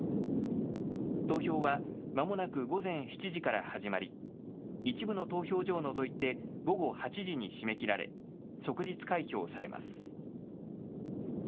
投票はまもなく午前７時から始まり、一部の投票所を除いて、午後８時に締め切られ、即日開票されます。